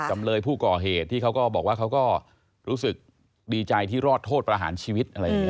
จำเลยผู้ก่อเหตุที่เขาก็บอกว่าเขาก็รู้สึกดีใจที่รอดโทษประหารชีวิตอะไรอย่างนี้